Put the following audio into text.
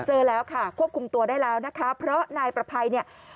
เจอแล้วค่ะควบคุมตัวได้แล้วนะคะเพราะนายประภัยเนี่ย